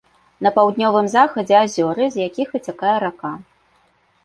На паўднёвым захадзе азёры, з якіх выцякае рака.